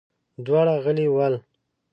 دواړه غلي ول.